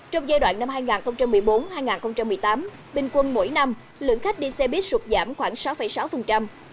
trong giai đoạn năm hai nghìn một mươi bốn hai nghìn một mươi tám bình quân mỗi năm lượng khách đi xe buýt sụt giảm khoảng sáu sáu